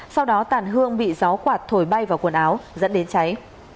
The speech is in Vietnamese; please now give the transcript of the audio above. sau đó tàn hương bị gió quạt thổi bay vào quần áo dẫn đến cháy